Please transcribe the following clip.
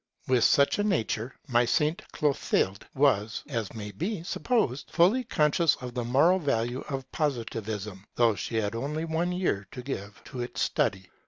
With such a nature my Saint Clotilde was, as may be supposed, fully conscious of the moral value of Positivism, though she had only one year to give to its study.